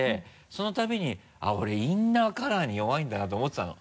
そのたびに「あっ俺インナーカラーに弱いんだな」と思ってたの。